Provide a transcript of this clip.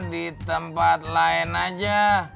di tempat lain aja